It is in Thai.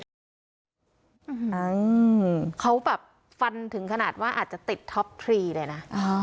อืมเขาแบบฟันถึงขนาดว่าอาจจะติดท็อปทรีเลยนะ